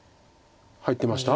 入ってました？